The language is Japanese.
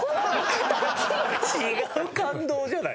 違う感動じゃない。